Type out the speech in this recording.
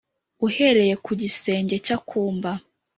Uhereye ku gisenge cy akumba